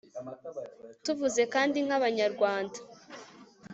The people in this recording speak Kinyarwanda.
tuvuze kandi nk'abanyarwanda